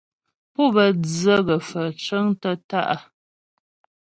Pú bə́ dzə gə̀faə̀ cəŋtə́ tǎ'a.